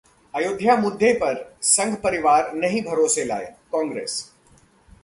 अयोध्या मुद्दे पर संघ परिवार नहीं भरोसे लायक: कांग्रेस